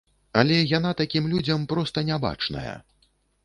Але яна такім людзям проста не бачная.